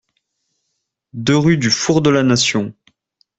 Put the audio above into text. deux rue du Four de la Nation